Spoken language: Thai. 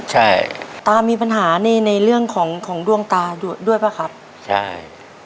ใช่ตามีปัญหาในในเรื่องของของดวงตาด้วยด้วยป่ะครับใช่